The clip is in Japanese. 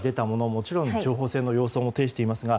もちろん情報戦の様相も呈していますが。